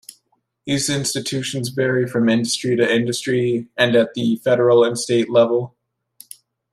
These institutions vary from industry to industry and at the federal and state level.